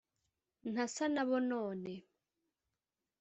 Ntasa n'aba none